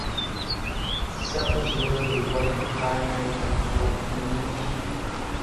Settlers lived a rugged pioneer type of life for many years.